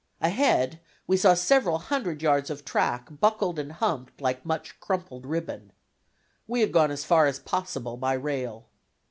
Ahead we saw several hundred yards of track buckled and humped like much crumpled ribbon. We had gone as far as possible by rail.